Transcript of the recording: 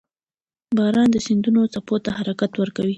• باران د سیندونو څپو ته حرکت ورکوي.